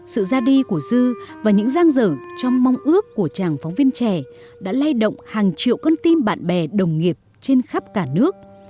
sự ra đi của dư và những giang dở trong mong ước của chàng phóng viên trẻ đã lay động hàng triệu con tim bạn bè đồng nghiệp trên khắp cả nước